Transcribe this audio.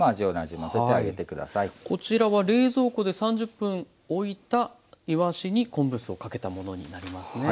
こちらは冷蔵庫で３０分おいたいわしに昆布酢をかけたものになりますね。